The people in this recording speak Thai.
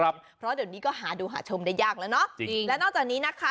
เพราะเดี๋ยวนี้ก็หาดูหาชมได้ยากแล้วเนอะจริงและนอกจากนี้นะคะ